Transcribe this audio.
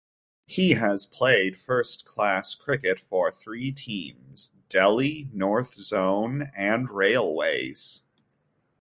He has played first-class cricket for three teams: Delhi, North Zone and Railways.